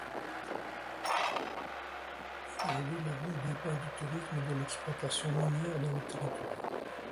Aujourd'hui la ville dépend du tourisme et de l'exploitation minière dans le territoire.